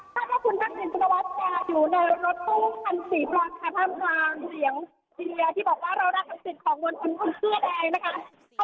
ถ้าว่าคุณเทศิษย์คุณวัฒน์อยู่ในรถรถทุ่ม๑๔๐๐ค่ะห้ามกลางเหลียวที่บอกว่าเรารักศักดิ์สิทธิ์ของบริเวณคุณเทศิษย์เองนะคะ